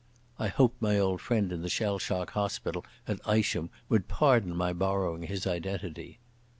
I hoped my old friend in the shell shock hospital at Isham would pardon my borrowing his identity.